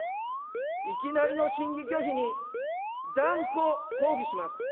いきなりの審議拒否に断固抗議します。